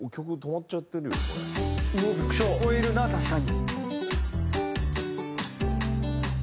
「覚えるな確かに」